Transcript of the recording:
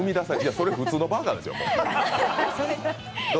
それ普通のバーガーですよ。